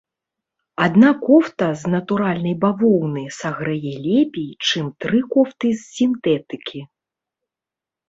Адна кофта з натуральнай бавоўны сагрэе лепей, чым тры кофты з сінтэтыкі.